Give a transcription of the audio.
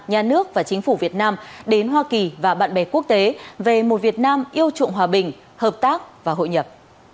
nhà nước và chính phủ việt nam đến hoa kỳ và bạn bè quốc tế về một việt nam yêu trụng hòa bình hợp tác và hội nhập